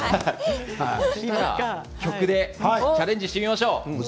曲でチャレンジしてみましょう。